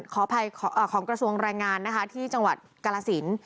ขออภัยของกระทรวงแรงงานนะคะที่จังหวัดกาลสิน